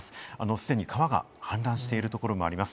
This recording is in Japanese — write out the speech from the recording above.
すでに川が氾濫しているところもあります。